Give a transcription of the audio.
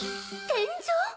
天井！？